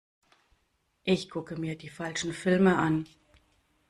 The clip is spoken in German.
Ich gucke mir die falschen Filme an.